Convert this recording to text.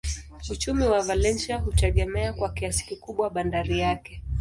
Uchumi wa Valencia hutegemea kwa kiasi kikubwa bandari yake.